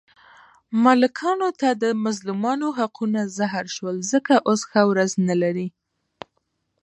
ملکانو ته د مظلومانو حقونه زهر شول، ځکه اوس ښه ورځ نه لري.